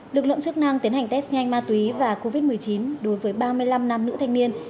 lực lượng chức năng tiến hành test nhanh ma túy và covid một mươi chín đối với ba mươi năm nam nữ thanh niên